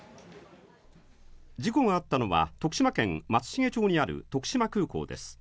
事故があったのは、徳島県松茂町にある徳島空港です。